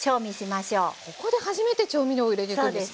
ここで初めて調味料を入れていくんですね。